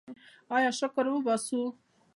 آیا شکر وباسو؟